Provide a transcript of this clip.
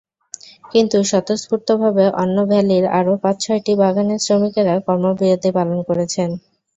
কিন্তু স্বতঃস্ফূর্তভাবে অন্য ভ্যালির আরও পাঁচ-ছয়টি বাগানের শ্রমিকেরা কর্মবিরতি পালন করেছেন।